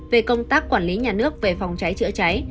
về công tác quản lý nhà nước về phòng cháy chữa cháy